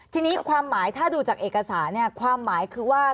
ทีนี้ความหมายถ้าดูจากเอกสารเนี่ยความหมายคือว่า